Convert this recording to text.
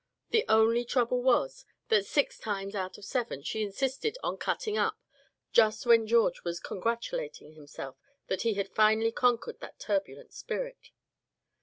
The only trouble was, that six times out of seven she insisted on "cutting up" just when George was congratulating himself that he had finally conquered that turbulent spirit.